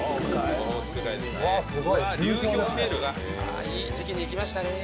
あぁいい時期に行きましたね。